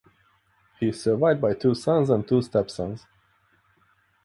He is survived by two sons and two stepsons.